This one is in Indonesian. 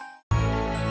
kamu sudah menemukan anissa